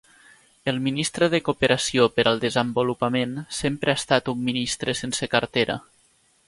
El ministre de cooperació per al desenvolupament sempre ha estat un ministre sense cartera.